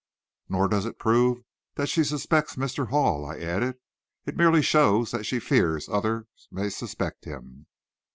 "Nor does it prove that she suspects Mr. Hall," I added. "It merely shows that she fears others may suspect him."